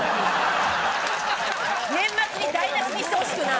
年末に台無しにしてほしくない。